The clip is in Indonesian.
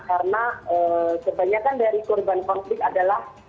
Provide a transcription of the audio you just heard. karena kebanyakan dari korban konflik adalah